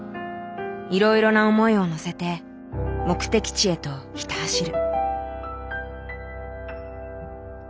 いろいろな思いを乗せて目的地へとひた走る。